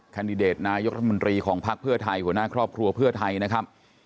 แดดิเดตนายกรัฐมนตรีของภักดิ์เพื่อไทยหัวหน้าครอบครัวเพื่อไทยนะครับ